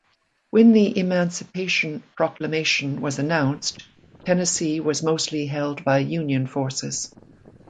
When the Emancipation Proclamation was announced, Tennessee was mostly held by Union forces.